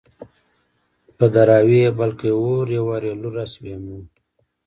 په دراوۍ يې بل کي اور _ يو وار يې لور راسي بيا مور